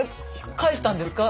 返したんですか？